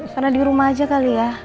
karena di rumah aja kali ya